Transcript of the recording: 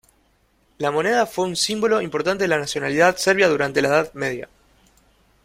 La moneda fue un símbolo importante de la nacionalidad serbia durante la Edad Media.